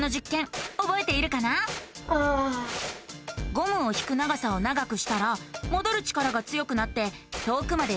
ゴムを引く長さを長くしたらもどる力が強くなって遠くまでうごいたよね。